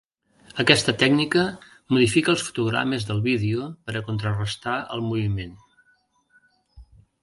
Aquesta tècnica modifica els fotogrames del vídeo per a contrarestar el moviment.